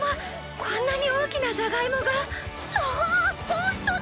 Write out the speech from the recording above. こんなに大きなジャガイモが！わあほんとだ！